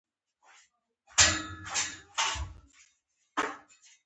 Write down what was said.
په وروستیو کلونو کې دا کارونه یو څه کم شوي دي